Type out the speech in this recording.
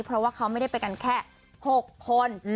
เพราะว่าเขาไม่ได้ไปกันแค่๖คน